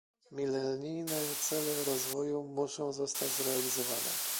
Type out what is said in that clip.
Milenijne cele rozwoju muszą zostać zrealizowane